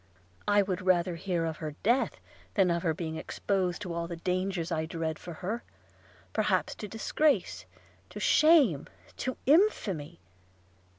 I would rather hear of her death, than of her being exposed to all the dangers I dread for her, perhaps to disgrace, to shame, to infamy